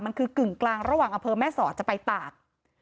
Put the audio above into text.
มันคือกึ่งกลางระหว่างอำเภอแม่สอดจะไปตาก